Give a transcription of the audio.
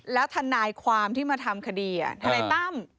แล้วทนายความที่มาทำคดีทนายตั้ม